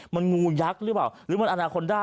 มันงูยักษ์หรือเปล่าหรือมันอนาคอนด้า